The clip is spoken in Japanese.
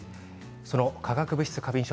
化学物質過敏症